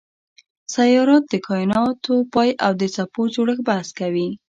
سیارات د کایناتو پای او د څپو جوړښت بحث کوي.